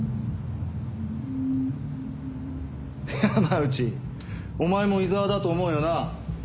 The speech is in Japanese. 山内お前も井沢だと思うよな？